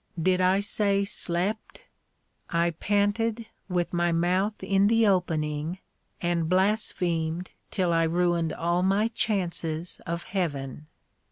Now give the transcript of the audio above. Did I say slept? I panted with my mouth in the opening and blasphemed till I ruined all my chances of heaven.